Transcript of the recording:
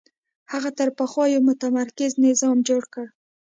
هغه تر پخوا یو قوي متمرکز نظام جوړ کړ